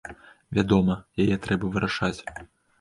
Вядома, яе трэба вырашаць.